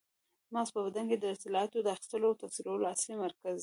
مغز په بدن کې د اطلاعاتو د اخیستلو او تفسیرولو اصلي مرکز دی.